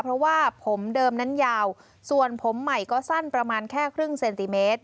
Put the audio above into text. เพราะว่าผมเดิมนั้นยาวส่วนผมใหม่ก็สั้นประมาณแค่ครึ่งเซนติเมตร